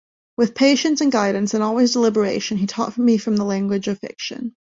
With patience and guidance and always deliberation, he taught me the language of fiction.